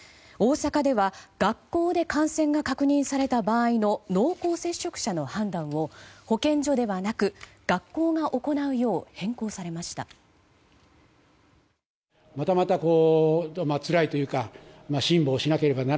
大阪では学校で感染が確認された場合の濃厚接触者の判断を保健所ではなく学校が行うよう変更されました。